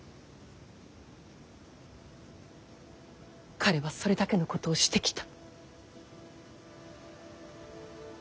彼はそれだけのことをしてきた。